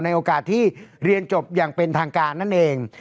โอกาสที่เรียนจบอย่างเป็นทางการนั่นเอง